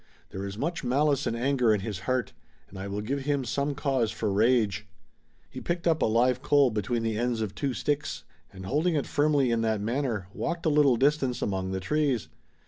There is much malice and anger in his heart, and I will give him some cause for rage." He picked up a live coal between the ends of two sticks, and holding it firmly in that manner, walked a little distance among the trees.